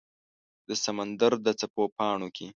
د سمندردڅپو پاڼو کې